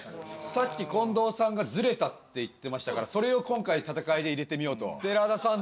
さっき近藤さんがズレたって言ってましたからそれを今回戦いで入れてみようと寺田さん